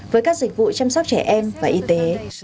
với các dịch vụ chăm sóc trẻ em và y tế